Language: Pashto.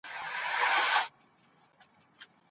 د ستونزو په نشتون کي د طلاق حکم څه دی؟